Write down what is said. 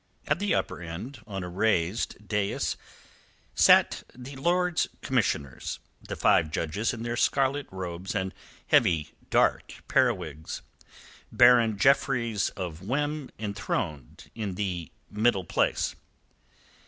At the upper end, on a raised dais, sat the Lords Commissioners, the five judges in their scarlet robes and heavy dark periwigs, Baron Jeffreys of Wem enthroned in the middle place.